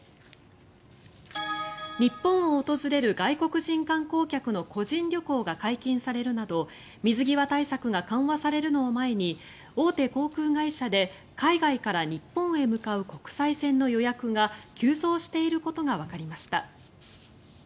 日本を訪れる外国人観光客の個人旅行が解禁されるなど水際対策が緩和されるのを前に大手航空会社で海外から日本へ向かう国際線の予約が急増していることがわかりました。